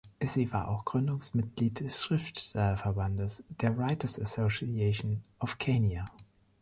Sie war auch Gründungsmitglied des Schriftstellerverbandes, der „Writers’ Association of Kenya“.